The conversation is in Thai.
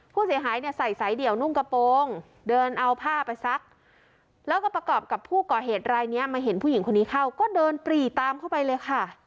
ผู้เสียหายเนี่ยใส่สายเดี่ยวนุ่งกระโปรงเดินเอาผ้าไปซักแล้วก็ประกอบกับผู้ก่อเหตุรายนี้มาเห็นผู้หญิงคนนี้เข้าก็เดินปรีตามเข้าไปเลยค่ะ